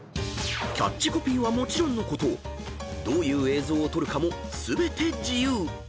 ［キャッチコピーはもちろんのことどういう映像を撮るかも全て自由］